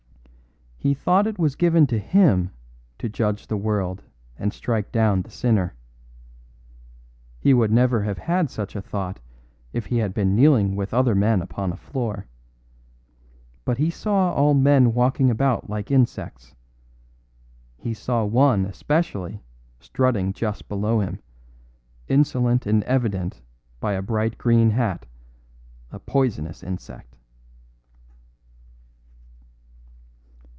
"He thought it was given to him to judge the world and strike down the sinner. He would never have had such a thought if he had been kneeling with other men upon a floor. But he saw all men walking about like insects. He saw one especially strutting just below him, insolent and evident by a bright green hat a poisonous insect."